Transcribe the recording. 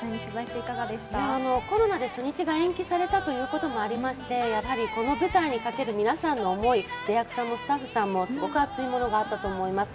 コロナで初日が延期されたということもあって、この舞台にかける皆さんの思い、役者もスタッフさんもすごく熱いものがあったと思います。